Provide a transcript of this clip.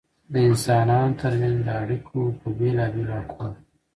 د انسانانو تر منځ د اړیکو په بېلابېلو اړخونو.